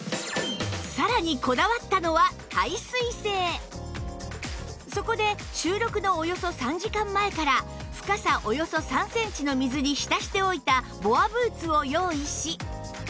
さらにそこで収録のおよそ３時間前から深さおよそ３センチの水に浸しておいたボアブーツを用意し